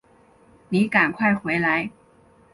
妳赶快回来